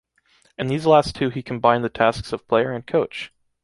In these last two he combined the tasks of player and coach.